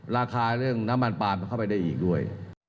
ราคาเรื่องน้ำมันปลามเข้าไปได้อีกด้วย